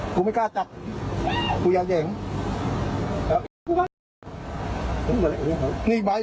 นั่นล่ะครับ